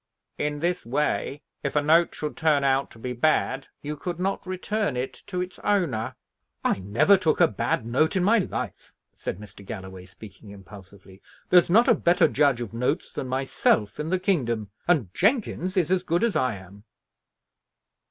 "In this way, if a note should turn out to be bad, you could not return it to its owner." "I never took a bad note in my life," said Mr. Galloway, speaking impulsively. "There's not a better judge of notes than myself in the kingdom; and Jenkins is as good as I am."